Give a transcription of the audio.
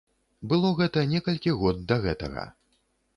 Было гэта некалькі год да гэтага.